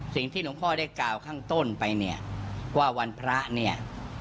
สิ่งที่หลวงพ่อได้กล่าวข้างต้นไปเนี่ยว่าวันพระเนี่ย